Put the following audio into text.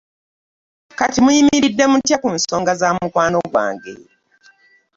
Kati muyimiride mutya ku nsonga za mukwano gwange.